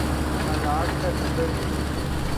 حالات کا جبر دیکھیے۔